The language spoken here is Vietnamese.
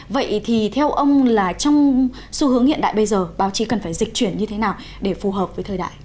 vậy thì theo ông là trong xu hướng hiện đại bây giờ báo chí cần phải dịch chuyển như thế nào để phù hợp với thời đại